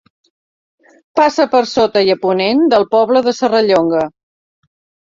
Passa per sota, i a ponent, del poble de Serrallonga.